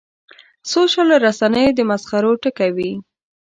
د سوشل رسنیو د مسخرو ټکی وي.